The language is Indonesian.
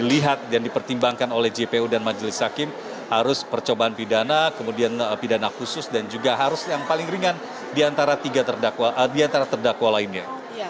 dilihat dan dipertimbangkan oleh jpu dan majelis hakim harus percobaan pidana kemudian pidana khusus dan juga harus yang paling ringan diantara terdakwa lainnya